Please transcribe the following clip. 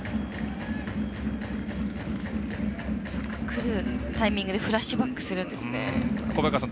くるタイミングでフラッシュバックするんですね。